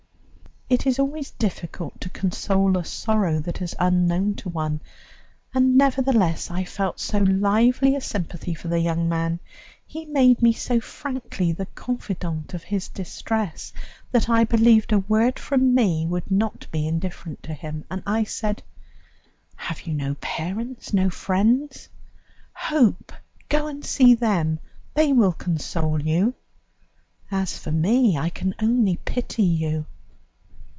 It is always difficult to console a sorrow that is unknown to one, and nevertheless I felt so lively a sympathy for the young man, he made me so frankly the confidant of his distress, that I believed a word from me would not be indifferent to him, and I said: "Have you no parents, no friends? Hope. Go and see them; they will console you. As for me, I can only pity you."